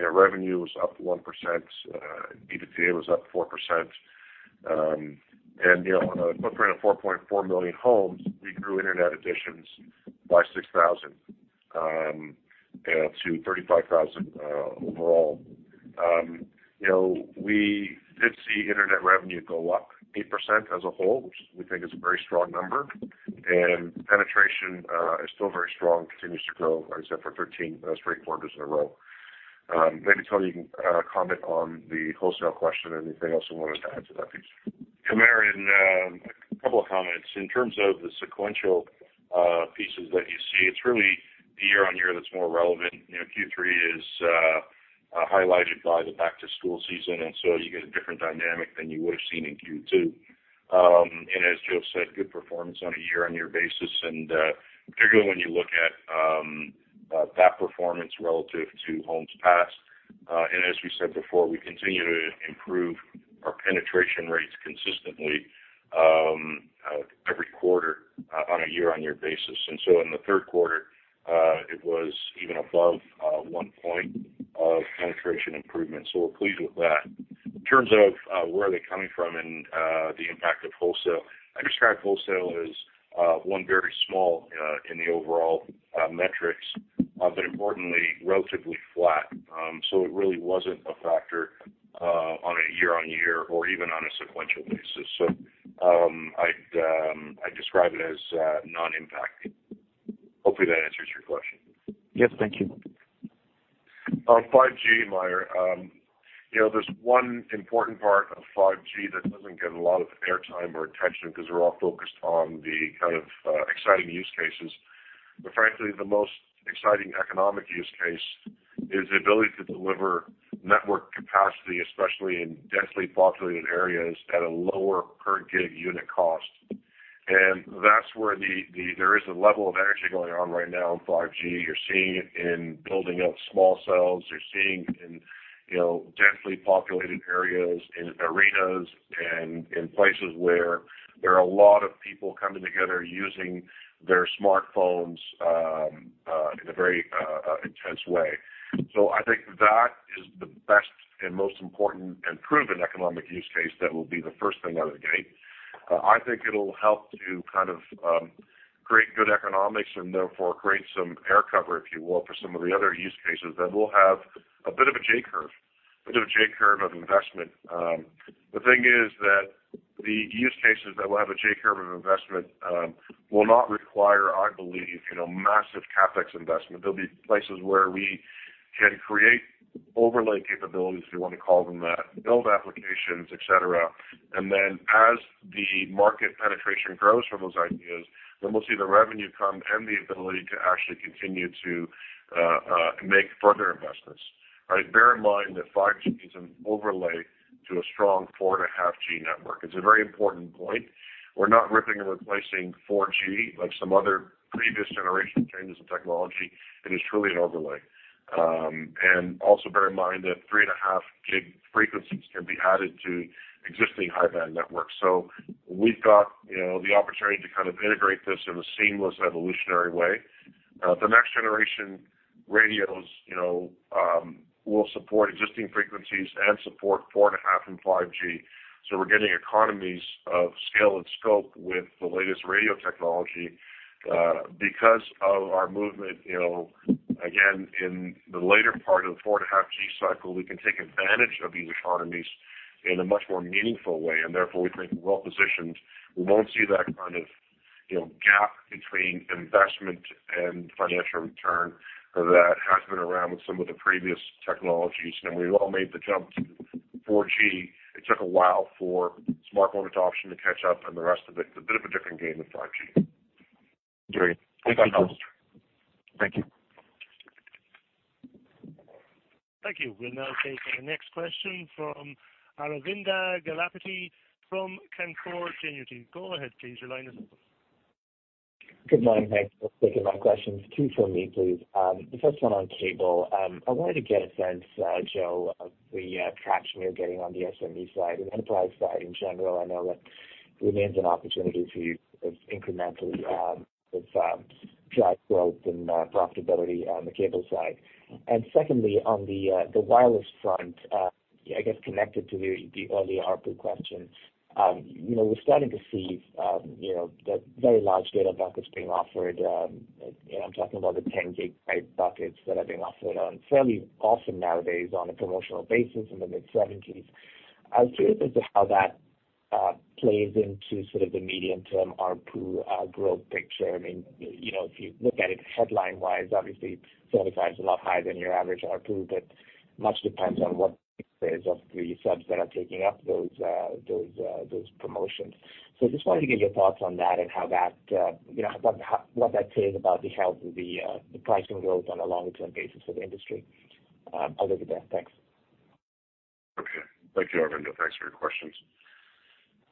Revenue was up 1%. Adjusted EBITDA was up 4%. And on a footprint of 4.4 million homes, we grew internet additions by 6,000-35,000 overall. We did see internet revenue go up 8% as a whole, which we think is a very strong number. And penetration is still very strong, continues to grow, like I said, for 13 straight quarters in a row. Maybe Tony, you can comment on the wholesale question and anything else you want to add to that piece. Maher, a couple of comments, in terms of the sequential pieces that you see, it's really the year-on-year that's more relevant. Q3 is highlighted by the back-to-school season, and so you get a different dynamic than you would have seen in Q2, and as Joe said, good performance on a year-on-year basis, and particularly when you look at that performance relative to homes passed, and as we said before, we continue to improve our penetration rates consistently every quarter on a year-on-year basis, and so in the Q3, it was even above one point of penetration improvement. So we're pleased with that. In terms of where are they coming from and the impact of wholesale, I describe wholesale as one very small in the overall metrics, but importantly, relatively flat, so it really wasn't a factor on a year-on-year or even on a sequential basis. So I'd describe it as non-impacting. Hopefully, that answers your question. Yes. Thank you. On 5G, Maher, there's one important part of 5G that doesn't get a lot of airtime or attention because we're all focused on the kind of exciting use cases. But frankly, the most exciting economic use case is the ability to deliver network capacity, especially in densely populated areas at a lower per gig unit cost. And that's where there is a level of energy going on right now in 5G. You're seeing it in building out small cells. You're seeing it in densely populated areas, in arenas, and in places where there are a lot of people coming together using their smartphones in a very intense way. So I think that is the best and most important and proven economic use case that will be the first thing out of the gate. I think it'll help to kind of create good economics and therefore create some air cover, if you will, for some of the other use cases that will have a bit of a J-curve, a bit of a J-curve of investment. The thing is that the use cases that will have a J-curve of investment will not require, I believe, massive CapEx investment. There'll be places where we can create overlay capabilities, if you want to call them that, build applications, et cetera. And then as the market penetration grows from those ideas, then we'll see the revenue come and the ability to actually continue to make further investments. All right. Bear in mind that 5G is an overlay to a strong 4.5G network. It's a very important point. We're not ripping and replacing 4G like some other previous generation changes in technology. It is truly an overlay. And also bear in mind that 3.5 gig frequencies can be added to existing high-band networks. So we've got the opportunity to kind of integrate this in a seamless evolutionary way. The next generation radios will support existing frequencies and support 4.5 and 5G. So we're getting economies of scale and scope with the latest radio technology. Because of our movement, again, in the later part of the 4.5G cycle, we can take advantage of these economies in a much more meaningful way. And therefore, we think we're well positioned. We won't see that kind of gap between investment and financial return that has been around with some of the previous technologies. And when we all made the jump to 4G, it took a while for smartphone adoption to catch up and the rest of it. It's a bit of a different game in 5G. Great. Thank you, Joe. Thank you. Thank you. We'll now take the next question from Aravinda Galappatthige from Canaccord Genuity. Go ahead, please. Your line is open. Good morning, guys. Let's take my questions. Two for me, please. The first one on cable. I wanted to get a sense, Joe, of the traction you're getting on the SME side and enterprise side in general. I know that remains an opportunity for you of incremental drive growth and profitability on the cable side. And secondly, on the wireless front, I guess connected to the earlier ARPU question, we're starting to see the very large data buckets being offered. I'm talking about the 10 gig type buckets that are being offered fairly often nowadays on a promotional basis in the mid-70s. I was curious as to how that plays into sort of the medium-term ARPU growth picture. I mean, if you look at it headline-wise, obviously 75 is a lot higher than your average ARPU, but much depends on what the subs that are taking up those promotions. So I just wanted to get your thoughts on that and how that, what that says about the health of the pricing growth on a longer-term basis for the industry. I'll leave it there. Thanks. Okay. Thank you, Aravinda. Thanks for your questions.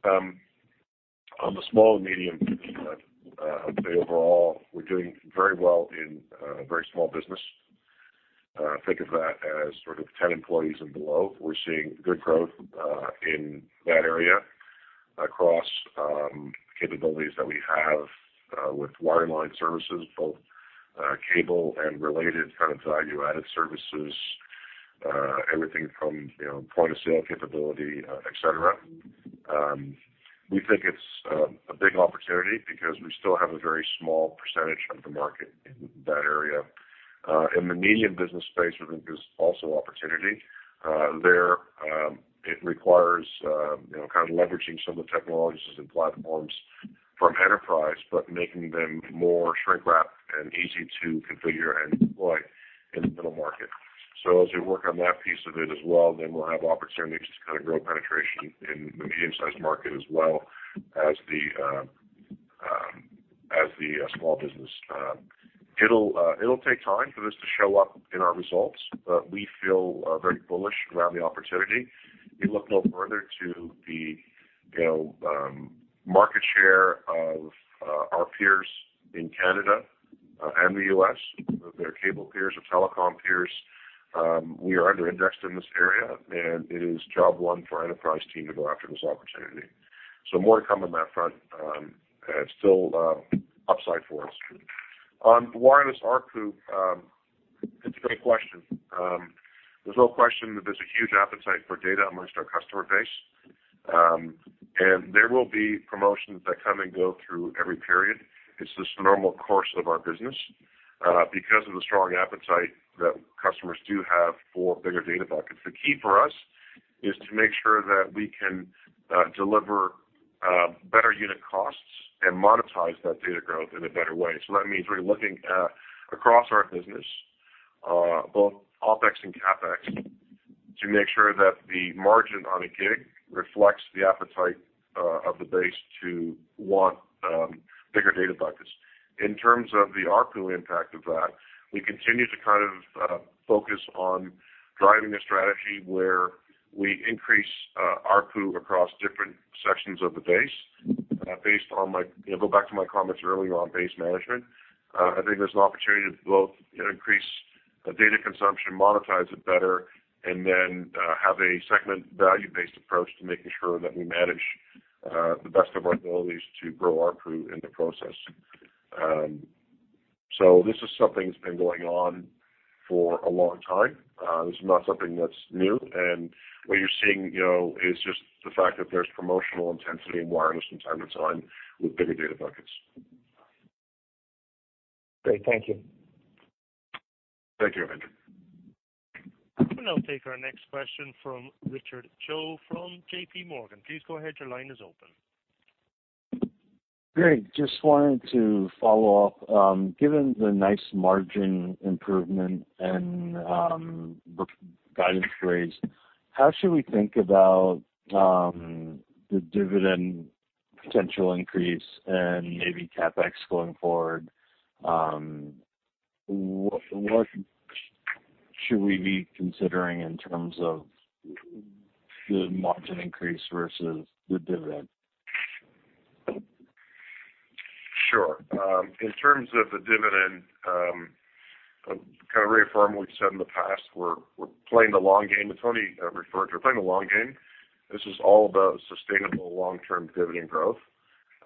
On the small and medium kind of, I'd say overall, we're doing very well in very small business. Think of that as sort of 10 employees and below. We're seeing good growth in that area across capabilities that we have with wireline services, both cable and related kind of value-added services, everything from point of sale capability, et cetera. We think it's a big opportunity because we still have a very small percentage of the market in that area. In the medium business space, we think there's also opportunity. There, it requires kind of leveraging some of the technologies and platforms from enterprise, but making them more shrink-wrapped and easy to configure and deploy in the middle market. So as we work on that piece of it as well, then we'll have opportunities to kind of grow penetration in the medium-sized market as well as the small business. It'll take time for this to show up in our results, but we feel very bullish around the opportunity. We look no further to the market share of our peers in Canada and the U.S., their cable peers, their telecom peers. We are under-indexed in this area, and it is job one for our enterprise team to go after this opportunity. So more to come on that front. It's still upside for us. On wireless ARPU, it's a great question. There's no question that there's a huge appetite for data amongst our customer base. And there will be promotions that come and go through every period. It's just the normal course of our business because of the strong appetite that customers do have for bigger data buckets. The key for us is to make sure that we can deliver better unit costs and monetize that data growth in a better way. So that means we're looking across our business, both OpEx and CapEx, to make sure that the margin on a gig reflects the appetite of the base to want bigger data buckets. In terms of the ARPU impact of that, we continue to kind of focus on driving a strategy where we increase ARPU across different sections of the base based on my go back to my comments earlier on base management. I think there's an opportunity to both increase data consumption, monetize it better, and then have a segment value-based approach to making sure that we manage the best of our abilities to grow ARPU in the process. So this is something that's been going on for a long time. This is not something that's new. What you're seeing is just the fact that there's promotional intensity in wireless from time to time with bigger data buckets. Great. Thank you. Thank you, Aravinda. We'll now take our next question from Richard Choe from JPMorgan. Please go ahead. Your line is open. Great. Just wanted to follow-up. Given the nice margin improvement and guidance raised, how should we think about the dividend potential increase and maybe CapEx going forward? What should we be considering in terms of the margin increase versus the dividend? Sure. In terms of the dividend, kind of reaffirm what we've said in the past. We're playing the long game. Tony referred to it. We're playing the long game. This is all about sustainable long-term dividend growth.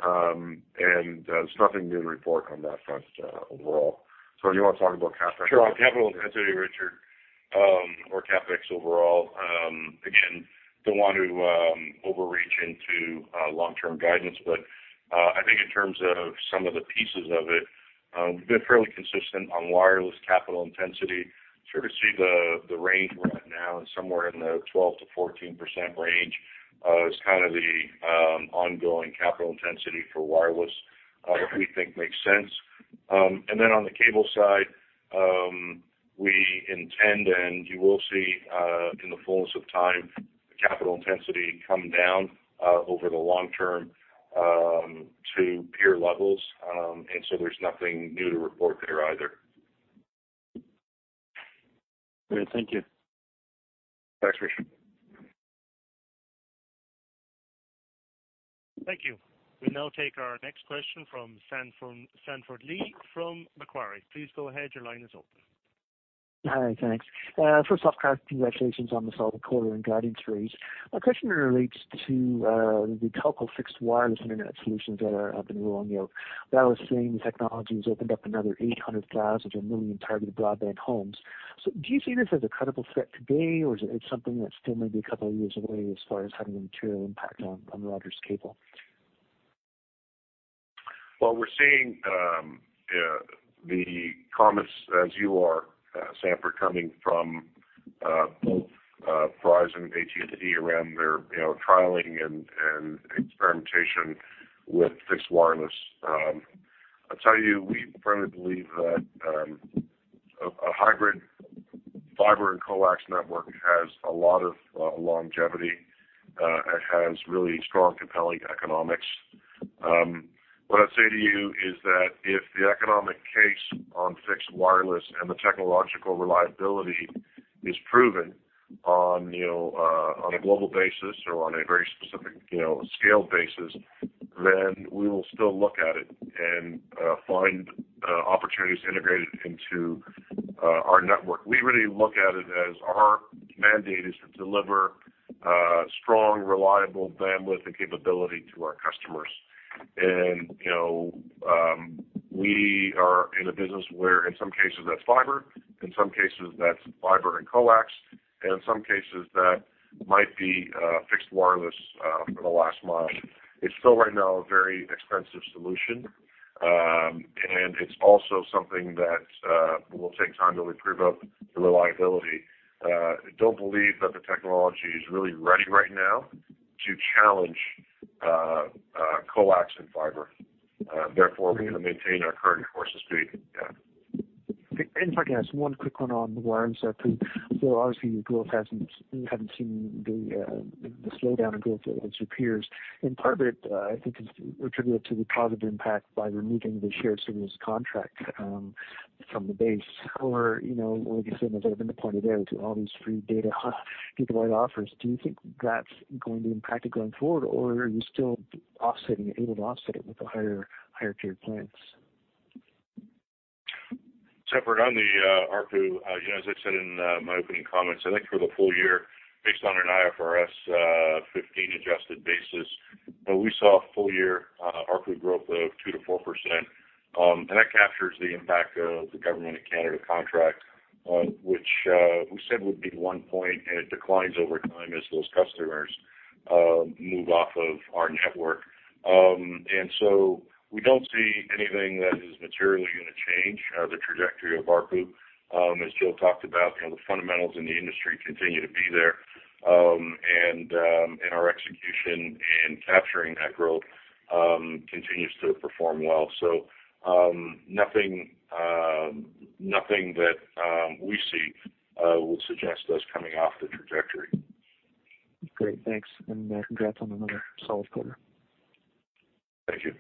And there's nothing new to report on that front overall. Tony, you want to talk about CapEx? Sure. On capital intensity, Richard, or CapEx overall. Again, don't want to overreach into long-term guidance, but I think in terms of some of the pieces of it, we've been fairly consistent on wireless capital intensity. Sort of see the range we're at now is somewhere in the 12%-14% range as kind of the ongoing capital intensity for wireless, which we think makes sense, and then on the cable side, we intend, and you will see in the fullness of time, capital intensity come down over the long term to peer levels, and so there's nothing new to report there either. Great. Thank you. Thanks, Richard. Thank you. We'll now take our next question from Sanford Lee from Macquarie. Please go ahead. Your line is open. Hi. Thanks. First off, congratulations on the solid quarter and guidance raised. My question relates to the telco fixed wireless internet solutions that have been rolling out. I was saying the technology has opened up another 800,000 to a million targeted broadband homes. So do you see this as a credible threat today, or is it something that's still maybe a couple of years away as far as having a material impact on Rogers Cable? We're seeing the comments as you are, Sanford, coming from both Verizon and AT&T around their trialing and experimentation with fixed wireless. I'll tell you, we firmly believe that a hybrid fiber and coax network has a lot of longevity. It has really strong, compelling economics. What I'd say to you is that if the economic case on fixed wireless and the technological reliability is proven on a global basis or on a very specific scale basis, then we will still look at it and find opportunities to integrate it into our network. We really look at it as our mandate is to deliver strong, reliable bandwidth and capability to our customers. And we are in a business where, in some cases, that's fiber. In some cases, that's fiber and coax. And in some cases, that might be fixed wireless for the last mile. It's still right now a very expensive solution, and it's also something that will take time to improve up the reliability. Don't believe that the technology is really ready right now to challenge coax and fiber. Therefore, we're going to maintain our current course of speed. Yeah. And if I can ask one quick one on wireless ARPU. Obviously, your growth hasn't seen the slowdown in growth of its peers. And part of it, I think, is attributed to the positive impact by removing the shared service contract from the base. Or, like you said, as I've been pointing out, there are all these free data gigabyte offers, do you think that's going to impact it going forward, or are you still able to offset it with the higher-tier plans? Sanford, on the ARPU, as I said in my opening comments, I think for the full year, based on an IFRS 15 adjusted basis, we saw full-year ARPU growth of 2%-4%. And that captures the impact of the Government of Canada contract, which we said would be one point, and it declines over time as those customers move off of our network. And so we don't see anything that is materially going to change the trajectory of ARPU. As Joe talked about, the fundamentals in the industry continue to be there. And our execution and capturing that growth continues to perform well. So nothing that we see would suggest us coming off the trajectory. Great. Thanks and congrats on another solid quarter. Thank you.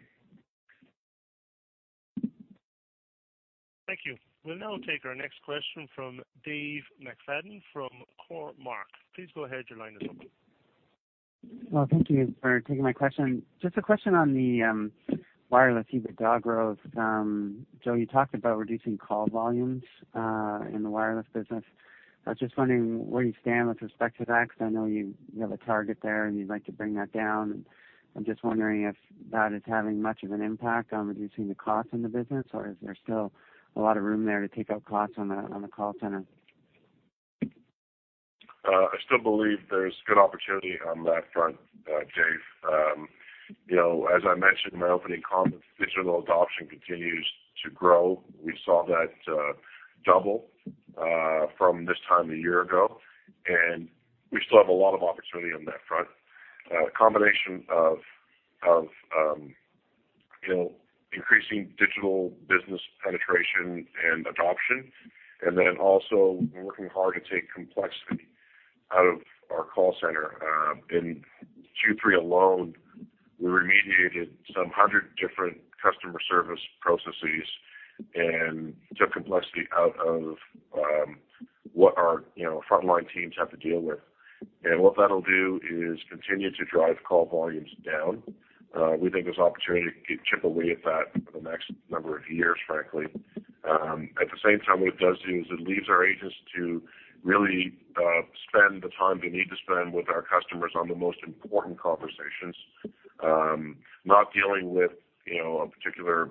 Thank you. We'll now take our next question from Dave McFadgen from Cormark. Please go ahead. Your line is open. Thank you for taking my question. Just a question on the wireless revenue growth. Joe, you talked about reducing call volumes in the wireless business. I was just wondering where you stand with respect to that, because I know you have a target there and you'd like to bring that down, and I'm just wondering if that is having much of an impact on reducing the cost in the business, or is there still a lot of room there to take out costs on the call center? I still believe there's good opportunity on that front, Dave. As I mentioned in my opening comments, digital adoption continues to grow. We saw that double from this time a year ago. And we still have a lot of opportunity on that front. A combination of increasing digital business penetration and adoption, and then also working hard to take complexity out of our call center. In Q3 alone, we remediated some hundred different customer service processes and took complexity out of what our frontline teams have to deal with. And what that'll do is continue to drive call volumes down. We think there's opportunity to chip away at that for the next number of years, frankly. At the same time, what it does do is it leaves our agents to really spend the time they need to spend with our customers on the most important conversations, not dealing with a particular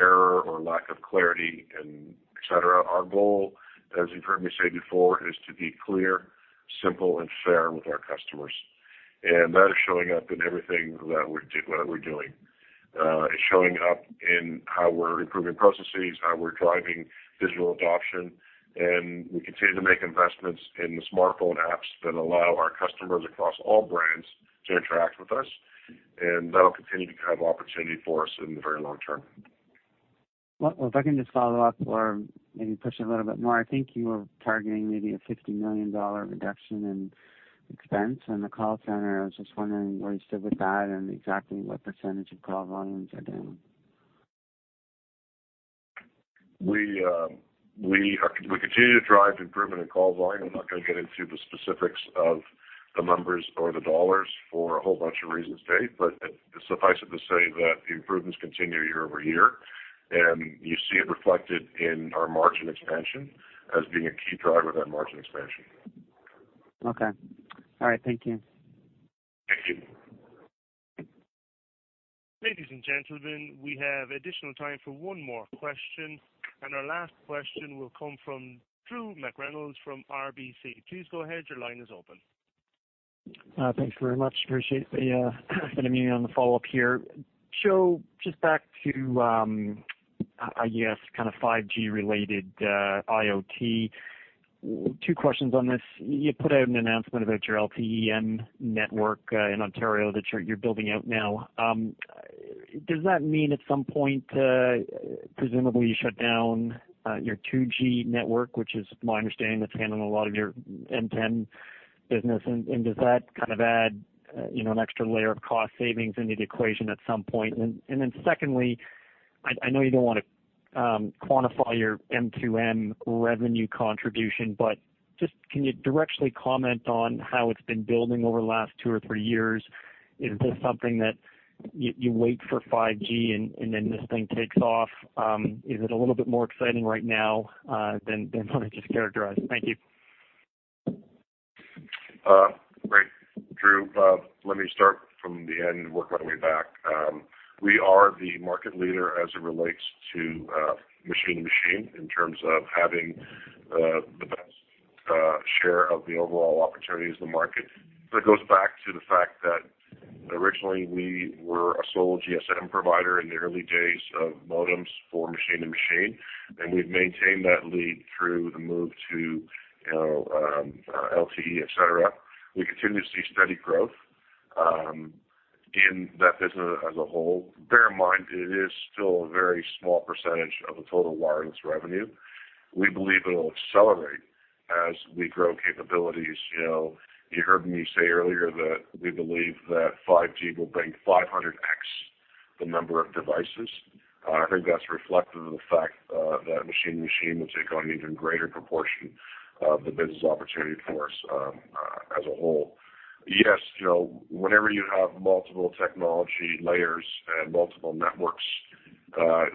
error or lack of clarity, et cetera. Our goal, as you've heard me say before, is to be clear, simple, and fair with our customers, and that is showing up in everything that we're doing. It's showing up in how we're improving processes, how we're driving digital adoption, and we continue to make investments in the smartphone apps that allow our customers across all brands to interact with us, and that'll continue to have opportunity for us in the very long term. If I can just follow-up or maybe push it a little bit more, I think you were targeting maybe a $50 million reduction in expense on the call center. I was just wondering where you stood with that and exactly what percentage of call volumes are down. We continue to drive improvement in call volume. I'm not going to get into the specifics of the numbers or the dollars for a whole bunch of reasons, Dave, but it suffices to say that the improvements continue year-over-year. And you see it reflected in our margin expansion as being a key driver of that margin expansion. Okay. All right. Thank you. Thank you. Ladies and gentlemen, we have additional time for one more question. And our last question will come from Drew McReynolds from RBC. Please go ahead. Your line is open. Thanks very much. Appreciate the opportunity on the follow-up here. Joe, just back to, I guess, kind of 5G-related IoT. Two questions on this. You put out an announcement about your LTE-M network in Ontario that you're building out now. Does that mean at some point, presumably, you shut down your 2G network, which is my understanding that's handling a lot of your M2M business? And does that kind of add an extra layer of cost savings into the equation at some point? And then secondly, I know you don't want to quantify your M2M revenue contribution, but just can you directly comment on how it's been building over the last two or three years? Is this something that you wait for 5G and then this thing takes off? Is it a little bit more exciting right now than what I just characterized? Thank you. Great. Drew, let me start from the end and work my way back. We are the market leader as it relates to machine-to-machine in terms of having the best share of the overall opportunities in the market. That goes back to the fact that originally we were a sole GSM provider in the early days of modems for machine-to-machine. And we've maintained that lead through the move to LTE, et cetera. We continue to see steady growth in that business as a whole. Bear in mind, it is still a very small percentage of the total wireless revenue. We believe it'll accelerate as we grow capabilities. You heard me say earlier that we believe that 5G will bring 500x the number of devices. I think that's reflective of the fact that machine-to-machine will take on an even greater proportion of the business opportunity for us as a whole. Yes, whenever you have multiple technology layers and multiple networks,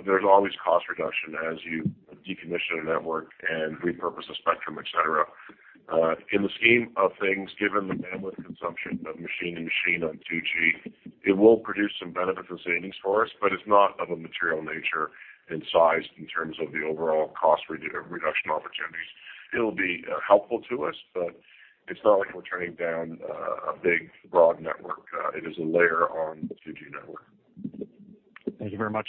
there's always cost reduction as you decommission a network and repurpose the spectrum, et cetera. In the scheme of things, given the bandwidth consumption of machine-to-machine on 2G, it will produce some benefits and savings for us, but it's not of a material nature in size in terms of the overall cost reduction opportunities. It will be helpful to us, but it's not like we're turning down a big, broad network. It is a layer on the 2G network. Thank you very much.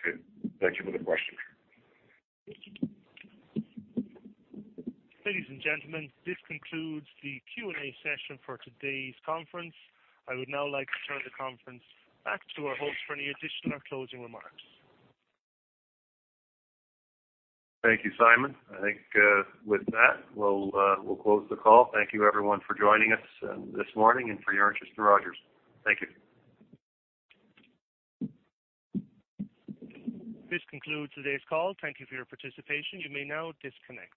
Okay. Thank you for the question. Ladies and gentlemen, this concludes the Q&A session for today's conference. I would now like to turn the conference back to our host for any additional closing remarks. Thank you, Simon. I think with that, we'll close the call. Thank you, everyone, for joining us this morning and for your interest in Rogers. Thank you. This concludes today's call. Thank you for your participation. You may now disconnect.